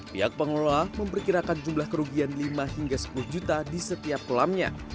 pihak pengelola memperkirakan jumlah kerugian lima hingga sepuluh juta di setiap kolamnya